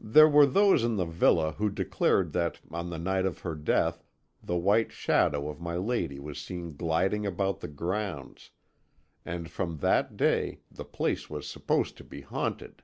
"There were those in the villa who declared that on the night of her death the white shadow of my lady was seen gliding about the grounds, and from that day the place was supposed to be haunted.